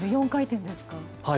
４回転ですか。